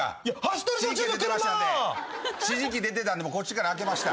指示器出てたんでこっちから開けました。